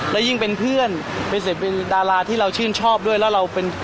และยิ่งเป็นเพื่อนเป็นศิลปินดาราที่เราชื่นชอบด้วยแล้วเราเป็น